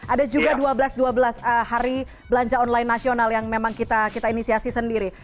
ada juga dua belas dua belas hari belanja online nasional yang memang kita inisiasi sendiri